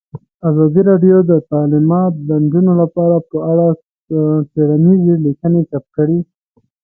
ازادي راډیو د تعلیمات د نجونو لپاره په اړه څېړنیزې لیکنې چاپ کړي.